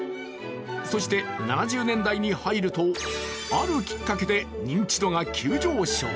そして７０年代に入るとあるきっかけで認知度が急上昇。